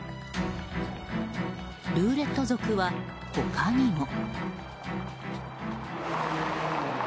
ルーレット族は他にも。